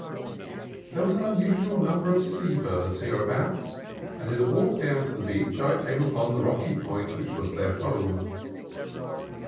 There was an unusual number of sea birds here abouts, and in a walk down the beach I came upon the rocky point which was their home.